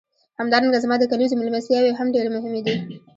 همدارنګه زما د کلیزو میلمستیاوې هم ډېرې مهمې دي.